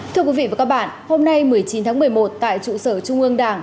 thưa quý vị và các bạn hôm nay một mươi chín tháng một mươi một tại trụ sở trung ương đảng